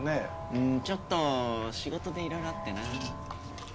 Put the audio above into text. うんちょっと仕事でいろいろあってな。